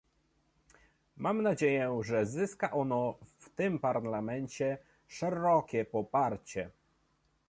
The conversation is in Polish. Mam nadzieję, że zyska ono w tym Parlamencie szerokie poparcie